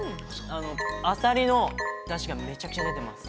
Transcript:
あさりのだしが、めちゃくちゃ出てます。